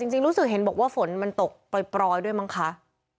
จริงรู้สึกเห็นบอกว่าฝนมันตกปล่อยด้วยมั้งคะ